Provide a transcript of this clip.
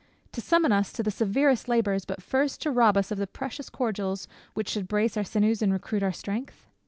To summon us to the severest labours, but first to rob us of the precious cordials which should brace our sinews and recruit our strength?